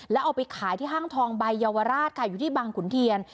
แล้วเอาไปขายที่ห้างทองใบเยาวราชค่ะอยู่ที่บางขุนเทียน